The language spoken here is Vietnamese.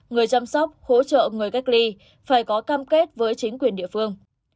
người chăm sóc hỗ trợ người cách ly phải có cam kết với chính quyền địa phương